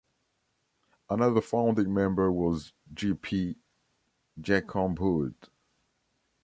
Another founding member was G. P. Jacomb-Hood.